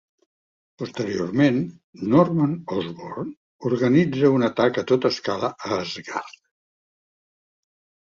Posteriorment, Norman Osborn organitza un atac a tota escala a Asgard.